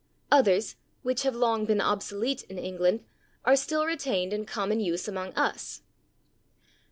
"Others, which have long been obsolete in England, are still retained in common use among us."